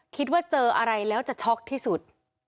คิดว่าเจออะไรแล้วจะช็อกที่สุด